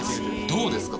どうですか？